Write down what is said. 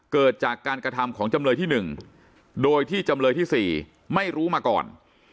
เกิดจากการกระทำของจำเลยที่๑โดยที่จำเลยที่๔ไม่รู้มาก่อน